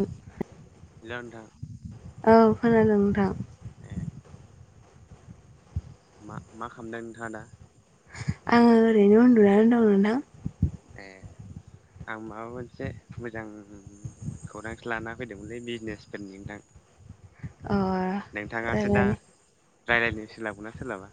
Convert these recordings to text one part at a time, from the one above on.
ओ गैला ओन्थां औ खोनादों नोंथां। ए मा मा खालामदों नोंथाङा दा? आङो ओरैनो उन्दुना दं नोंथां। ए आं माबा मोनसे मोजां खौरांसो लाना फैदोंमोनलै बिजनेस फोरनि नोंथां। अ नोंथाङासो दा रायलायनो रायलायनो सोलाबगोन्ना सोलाबा?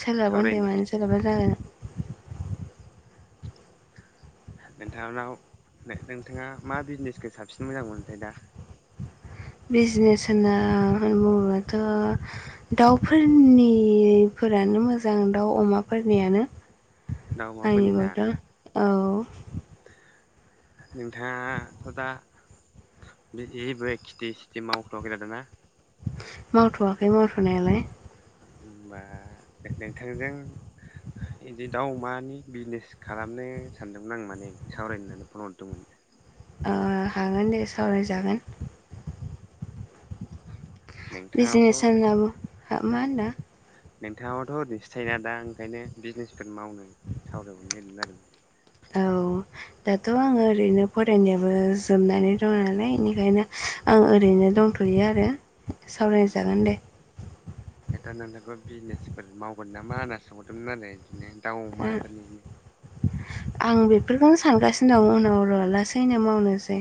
सोलाबगोन दे‌ सावरायनो मानो सोलाबा जानो। अ नोंथांनाव नो नोंथाङा मा बिजनेसखौ साबसिन मोजां मोनोथाय दा? बिजनेस होनना बुङोबाथ' दाउफोरनिफोरानो मोजां दाउ अमाफोरनियानो। दाउ अमाफोरनि ना? आंनिबाथ' औ नोंथाङा थ दा बे जेबो खेथि सेथि मावथ'आ खैदा ना मावथ'वाखै मावथ'नायालाय। होमबा नोंथांजों इदि दाउ अमानि बिजनेस खालामनो सानदोंमोन आं माने सावरायनो होननानै फन हरदोंमोन। ओ हागोन दे सावरायजागोन। बिजनेस नोंथाङाथ' होनना बु हो मा होनदों? नोंथाङाबोथ' ओरैसो थायोना दा ओंखायनो बिजनेसफोर मावनो सावरायहरनो नागिरदों आरो औ दाथ' आङो ओरैनो फरायनायाबो जोबनानै दं आरोने इनिखायनो‌ आं ओरैनो दंथ'यो आरो सावराय जागोन दे। [inaudible] ओंखायथ' नोंथांखौ बिजिनेसफोर मावगोन नामा होनना सोंहरदोंमोन आरो बिदिनो दाउ अमाफोरनिनो आं बेफोरखौनो सानगासिनो दं उनावर' लासैनो मावनोसै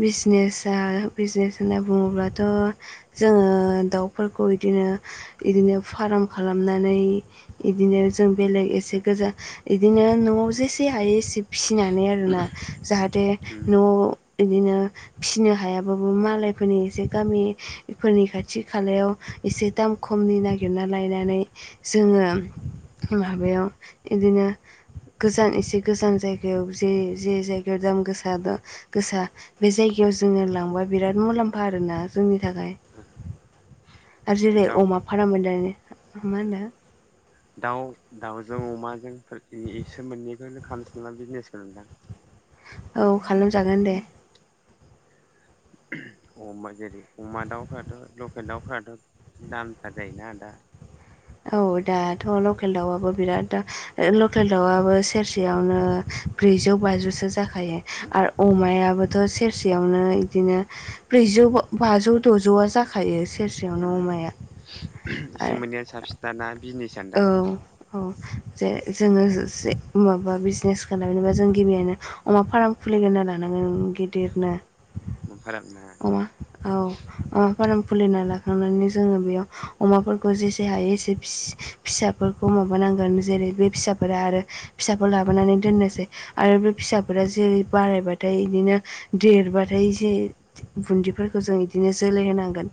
बिज निसा बिजनेस होनना बुङोब्लाथ' जोङो दाउफोरखौ इदिनो इदिनो फार्म खालामनानै इदिनो जों बेलेग एसे गोजा इदिनो न'आव जेसे औ हायो एसे फिसिनानै आरो ना जाहाथे न'आव बिदिनो फिनो हायाबाबो मालायफोरनि एसे गामि बेफोरनि खाथि खालायाव एसे दाम खमनि नागिरना लायनानै जोङो माबायाव बिदिनो गोजान एसे गोजान जायगायाव जे जे जायगायाव दाम गोसा दं गोसा बे जायगायाव जोङो लांबा बिराद मुलाम्फा आरोना। जोंनि थाखाय आरो जेरै दाउ अमा फाराम मोन दा‌ मा होनो दाउ दाउजों अमाजों इसोर मोन्नैखौनो खामसै नामा बिजनेसखौ नोंथां? औ खालामजागोन दे‌। अ' होमबा जेरै अमा दाउफथ' लकेल दाउफथ' दामथार जायोना दा। औ दाथ' लकेल दाउआबो बिराद लकेल दाउआआबो सेरसेयावनो ब्रैजौ बाजौसो जाखायो। आरो अमाया बो थ' सेरसेयावनो बिदिनो ब्रैजौ बाजौ द'जौआ जाखा जाखायो सेरसे उम एसे मोननैआ साबसिन दाना बिजनेसानो औ दा? औ जे जोङो ज माबा बिजनेस खालामेनबा जों गिबियनो अमा फ्राम खुलिना होनना लानांगोन गिदिरनो। [unintelligible] अमा औ। अमा फार्म खुलिना लाखांनानै जोङो बेयाव अमाफोरखौ जेसे हायो एसे फिसाफोरखौ माबानांगोन जेरै बे फिसाफोरा आरो फिसा खौ लाबोनानै दोननोसै आरो बे फिसाफोरा जेरै बारायबाथाय बिदिनो देरबाथाय एसे बुन्दिफोरखौ जों बिदिनो जोलै होनांगोन।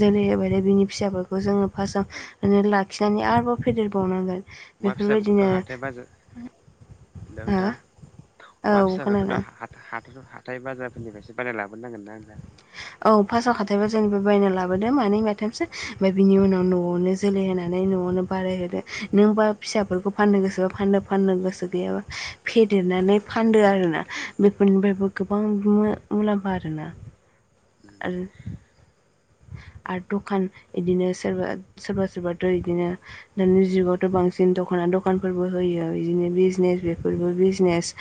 जोलै होबायथाय बिनि फिसाफोरखौ जोङो फार्स्टआव लाखिनानै आरोबाव फेदेरबावनांगोन। अमा बेफोरबायदिनो फिसाफोरखौथ' हाथाय बाजार हो लोंथां अमा औ फिसाफोरखौथ' खोनादों हा हाथ हाथाय बाजारफोरनिफ्रायो बाराय लाबोनांगोन ना नोंथां? औ फास्टाव खाथायबा जोंनि बे बायना लाबोददों मानै माथामसो ओमफ्राय बिनि उनाव न'आवनो जोलै होनानै न'आवनो बारायहोदो नोंबा फिसाफोरखौ फाननो गोसोबा फाननो फाननो गोसो गैयाबा फेदेरनानै फानदो आरो ना बेफोरनिफ्रायबो गोबां मुलाम्फा आरोना। उम। आरो आरो दखान सोरबा सोरबाथ' बिदिनो दानि जुगावथ' बांसिन दख'ना दख दखानफोरबो होयो बिदिनो बिजनेस बेफोरबो बिजनेस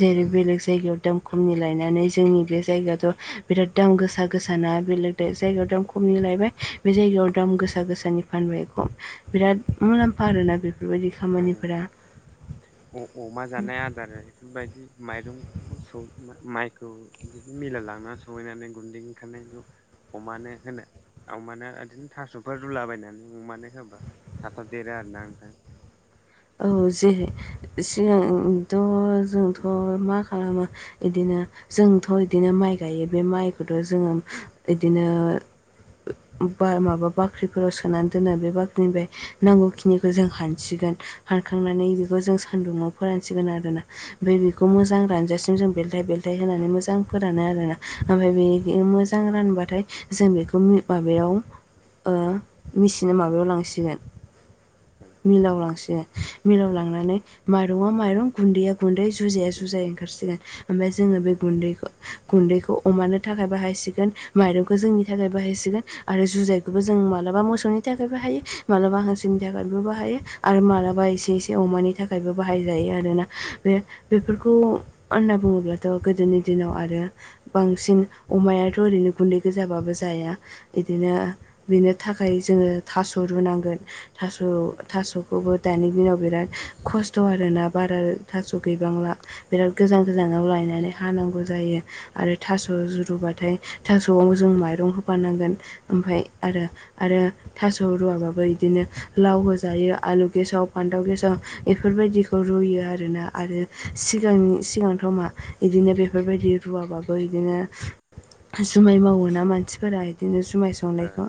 जेरै बेले जायायाव दाम खमनि लायनानै जोंनि बे जायगाथ' बिराद दाम गोसा गोसा ना बेले जायगायाव दाम खमनि लायबाय। बे जायगायाव दाम गोसा गोसानि फानबायखौ बिराद मुलाम्फा आरोना बेफोरबायदि ए खामानिफोरा अ अमा जानाय आदार बेफोरबायदि माइरंखौबो स माइखौ बिदिनो मिला लांनानै सहैनानै गुन्दै खान्नायखौ अमानो अमानो बिदिनो थास'फोर रुलाबायायनानै अमानो थाब थाब' देरो आरोना नोंथां? औ जे सिगांथ' जोंथ' मा ओ इदिनो जोंथ' बिदिनो माइ गायो बे माइखौथ' जोङो बिदिनो माबा बाख्रिफोराव सोनानै दोनो बे बाख्रिनिफ्राय ओ नांगौखिनिखौ जों हानसिगोन हानखांनानै बेखौ जों सान्दुंङाव फोरानसिगोन आरोना। ओ रानासिम जों बेल बेल थाय होनानै मोजां फोरानो आरोना ओमफ्राय बे मोजां रानबाथाय जों बेखौ माबायाव ओ मिसिनो माबायाव लांसिगोन। मिलाव लांसै लांनानै माइरङा माइरं गुन्दैया जुजाया जु जाय ओंखारसिगोन ओमफ्राय जोङो बे गुन्दैखौ गुन्दैखौ अमानो थाखाय माइरंखौ जोंनि थाखाय बाहायसिगोन। आरो जुजायखौबो जों मालाबा मोसौनि थाखायबो हायो मालाबा हांसोनि थाखायबो बो बाहायो आरो मालाबा बा एसे एसे अमानि थाखायबो बाहायजायो आरोना बे बेफोरखौ होनना बुङोब्लाथ' गोदोनि दिनाव आरो बांसिन अमायाथ' ओरैनो गुन्दै गोजाबाबो जाया। बिदिनो बेनो थाखाय जोङो थास' रुनांगोन। थास' थास'खौबो। दानि दिनाव बिराद खस्थ' आरोना बारा थास' गैबांला। बेराद गोजान गोजानाव लायनानै हानांगौ जायो। आरो थास' रुबाथाय थास'आव जों माइरं होफानांगोन। ओमफाय आरो आरो थास' रुवाबाबो इदिनो लाव होजायो आरो गेसाव फान्थाव गेसाव बेफोरबायदिखौ रुयो आरोना आरो सिगांनि सिगांथ' इदिनो बेफोरबायदि रुवाबाबो इदिनो जुमाय मावोना मानसिफोरा इदिनो जुमाय सावो। ओ सावनायखौ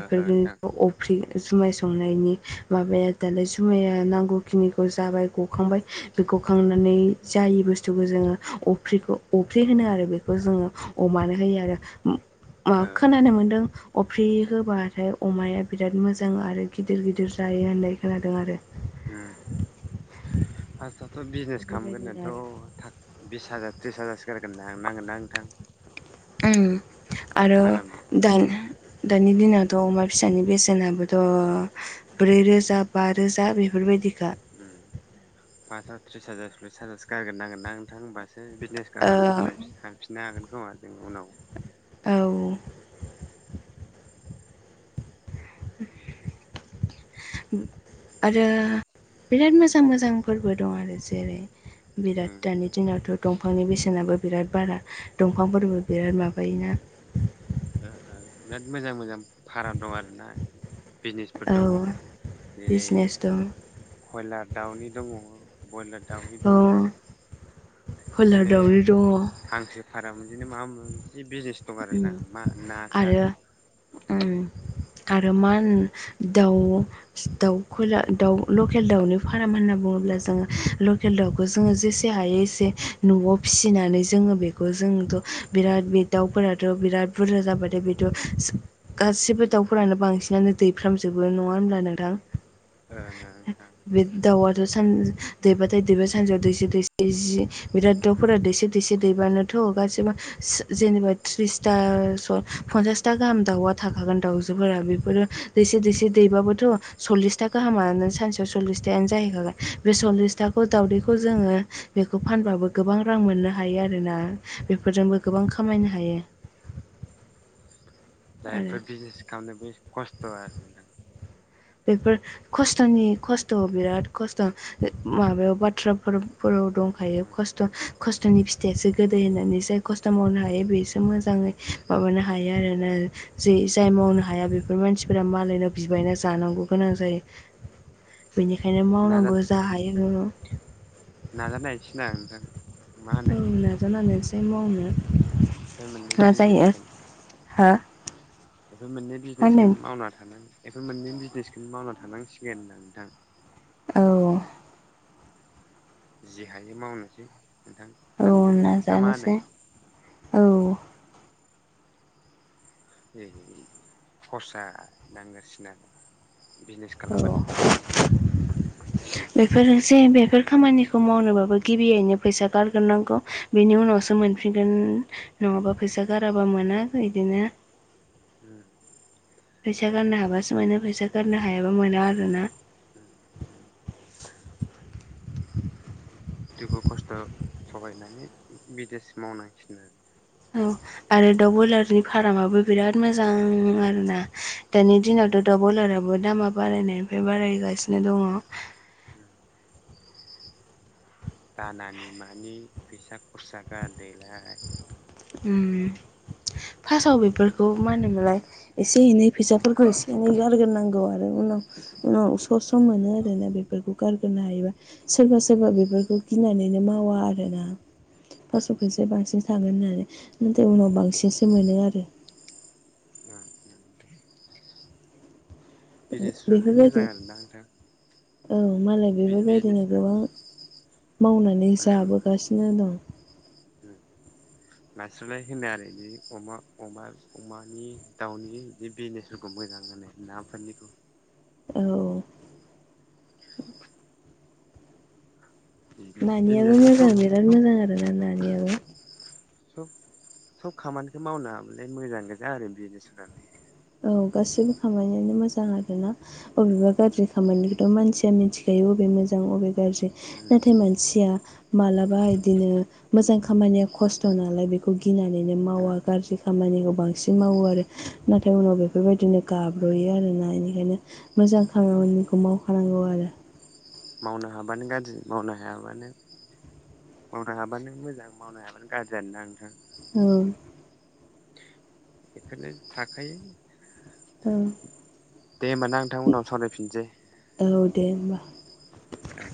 ओ नोंथां अफ्रि जुमाय संनायनि माबाया दालाय जुमाया नांगौखिनिखौ जाबाय गखांबाय बे गखांनानै जायि बुस्थुखौ जोङो अफ्रिखौ अफ्रि होनो आरो बेखौ जोङो। अमानो होयो आरो। ओम ओ खोनानो मोनदों अफ्रि होबाथाय अमाया बिराद मोजां आरो गिदिर गिदिर जायो होननाय खोनादों आरो। उम फार्स्टआवथ' बिजनेस बेफोरबायदिनो आरो खालामग्रोनोथ' थाख बिस हाजार थ्रिस हाजारसो गारगोर नांगोन ना नोंथां? उम आरो फार्म दान दानि दिनावथ' अमा फिसानि बेसेनाबोथ' ब्रै रोजा बा रोजा बेफोरबायदिखा। उम पासआव थ्रिस हाजार सललिस हाजारसो गारग्रोन नांगोन ना नोंथां मा सो बिजनेसखौ आराम ओ सालायफिननो हागोन खोमा जों उनाव। औ। [inaudible] आरो बिराद मोजां मोजां फोरबो दं आरो जेरै उम बिराद [unintelligible] दिनावथ' दंफांनि बेसेनाबो बिराद बारा दंफांफोरबो बिराद माबायो। ओ ओ बिराद मोजां मोजां। फाराम दं आरोना बिजनेसफोर दङ औ जेरै बिजनेस दं खयलार दाउनि दङ। बयलार दाउनि औ दङ फोलादावरि बिदिनो दङ हांसो भारा बिदिनो माबा मा बिजनेस दं आरोना मा ना सा आरो उम आरो मान दाउ दाउ खयला दाउ लकेल दाउनि फाराम होन्ना बुङोब्ला जोङो लकेल दाउ बेखौ जोङो जेसे हायो एसे न'आव फिसिनानै जोङो बेखौ जोंथ' बिराद बे दाउफोरा बिराद बुरजा जाबाथाय बेथ' गासिबो दाउफोरानो बांसिनानो दैफ्रामजोबो नङा होनब्ला नोंथां? ओं ओं नोंथां। दाउवाथ' सान दैबाथाय दैबाय सानसेयाव दैसे दैसे बिराद दाउफोरा दैसे दैसे दैबानोथ'गासिबो उम जेनेबा थ्रिसथा स पन्सासथा गाहाम दाउआ थाखागोन दाउजोफोरा बेफोरो दैसे दैसे दैबाबोथ' सल्लिसथा गाहामा नों सानसेयाव सल्लिसथायानो जाहैखागोन बे सल्लिस उम थाखौ दावदैखौ जोङो बेखौ फानबाबो गोबां रां मोननो हायो आरो ना उम बेफोरजोंबो गोबां उम खामायनो हायो। आरो दायोफोर बिजनेस खालामनोबो खस्थ' आरोना। बेफोर खस्थ'नि खस्थ' बिराद खस्थ'। माबायाव बाथ्राफोर फोराव दंखायो उम खस्थ' खस्थ'नि फिथाइयासो गोदै होननानै जाय खस्थ' मावनो ए हायो बेसो मोजाङै माबानो हायो आरोना। जै जाय उम मावनो हाया बेफोर मानसिफोरा मालायनाव बिबायना जा जानांगौ उम गोनां जायो बेनिखायनो नाजा मावनांगौ जा हायो [unintelligible] नाजानायसै ना नोंथां। मा होनो औ नाजानायनोसै मावनो। बे मोननै बिजिरनांसिगोन। हो? बेफोर मोननै बिजनेसखौनो मावना थानान बेफोर मोननै बिजनेसखौनो मावना थानांसिगोन होनदां नोंथां। औ। जि हायो मावनोसै नोंथां। औ सानैजों ना मा होनो नाजानोसै औ। [unintelligible] खरसा नांगोरसिगोन आरो बिजनेस खालामगोननोबो। [inaudible] बेफोरनोसै बेफोर खामानिखौ मावनोबाबो गिबियैनो फैसा गारग्रोनांगौ। बेनि उनावसो मोनफिनगोन नङाबा उम फैसा गाराबा मोना बिदिनो उम। फैसा गारनो हाबासो मोनो फैसा गारनो हायाबा मोना आरोना। उम उम। दुखु खस्थ' सहायनानै बिदेश मावनांसिगोन आरो। औ नोंथां। आरो दाउ बयलारनि फारामाबो बिराद मोजां आरो ना। दानि उम दिनावथ' दाव बयलाराबो दामा बारायनायनिफ्राय बारायगासिनो दङ। उम। दानानि मानि फैसा खरसा गारदोलाय। फार्स्टआव बेफोरखौ मा होनोमोनलाय एसे एनै फैसाफोरखौ एसे एनै गारग्रोनांगौ आरो उनाव उनाव स' स्र' मोनो आरोना बेफोरखौ गारग्रोनो हायोबा। सोरबा सोरबा बेफोरखौ गिनानैनो मावा आरोना। फासआव फैसाया बांसिन थांगोन होननानै नाथाय उनाव बांसिनसो मोनो आरो। उम उम दे। बिजनेसफ्रालाय बेफोरबायदि मोजां आरोना नोंथां। औ मालाय बेफोरबायदिनो गोबां बिजनेसफ्रालाय मावनानै जाबोगासिनो दं उम नास्रलाय होनो आरो बिदि अमा अमा अमानि दाउनि बिदि बे बिजनेस खौ मोजां होनो नाफोरनिखौ औ बिजनेस नानियाबो बिजनेसलाय मोजां सब बिराद मोजां आरोना नानियाबो सब सब खामानिखौ मावनो हाबालाय मोजां गोजा आरो बिजनेसफ्रालाय औ गासैबो खामानियानो मोजां आर ना बबेबा गाज्रि खामानि मानसिया मिथिखायो अबे मोजां अबे गाज्रि नाथाय मानसिया मालाबा इदिनो मोजां खामानिया खस्थ' नालाय बे बेखौ गिनानैनो मावा गाज्रि खामानिखौ बांसिन मावो आरो ओ उनाव बेफोरबायदिनो गाब्र'यो आरोना इनिखायनो मोजां खामानिखौ मावखानांगौ आरो मावनो हाबानो गाज्रि मावनो हायाबानो मावनो हाबानो मोजां मावनो हायाबानो गाज्रि आरो दा नोंथां औ बेफोरनो थाखायो औ दे होमब ना नोंथां उनाव सावरायफिनसै औ दे होमबा औ